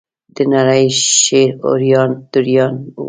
د نړۍ شعور اریان دریان و.